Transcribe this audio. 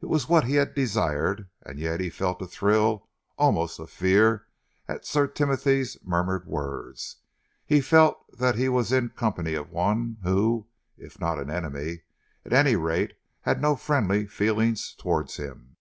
It was what he had desired, and yet he felt a thrill almost of fear at Sir Timothy's murmured words. He felt that he was in the company of one who, if not an enemy, at any rate had no friendly feeling towards him.